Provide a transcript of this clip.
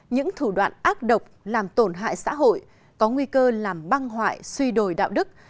những thủ đoạn ác độc làm tổn hại xã hội có nguy cơ làm băng hoại suy đổi đạo đức